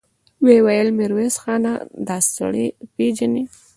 ويې ويل: ميرويس خانه! دآسړی پېژنې؟